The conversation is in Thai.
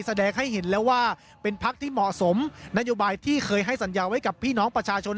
แสดงให้เห็นแล้วว่าเป็นพักที่เหมาะสมนโยบายที่เคยให้สัญญาไว้กับพี่น้องประชาชน